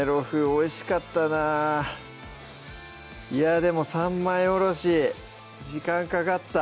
おいしかったないやでも３枚おろし時間かかった